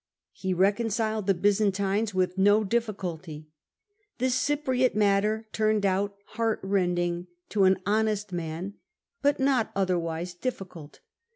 He reconciled the Byzantines with no difficulty : the Cypriot matter turned out heart rend ing to an honest man, but not otherwise difficult.